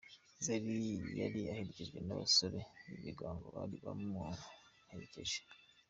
Zari yari aherekejwe n’abasore bibigango bari bamuherekeje.